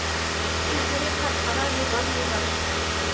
كۆزلىرى قاپقارا، يوغان - يوغان.